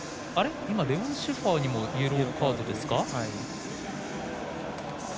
レオン・シェファーにもイエローカードですか。